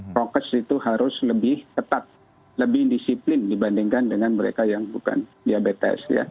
prokes itu harus lebih ketat lebih disiplin dibandingkan dengan mereka yang bukan diabetes